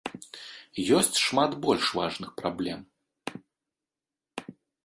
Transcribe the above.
Ёсць шмат больш важных праблем.